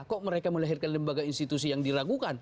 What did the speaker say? kok mereka melahirkan lembaga institusi yang diragukan